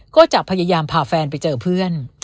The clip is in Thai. ก็จะพยายามพาแฟนไปเจอเพื่อน